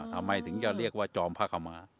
ทำไมถึงจะเรียกว่าจอมพระขมา